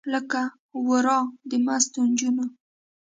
لکه ورا د مستو نجونو